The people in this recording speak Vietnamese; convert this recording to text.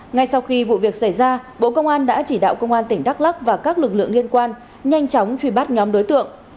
ngay sau khi vụ việc xảy ra bộ công an đã chỉ đạo công an tỉnh đắk lắc và các lực lượng liên quan nhanh chóng truy bắt nhóm đối tượng